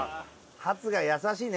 ハツが優しいね！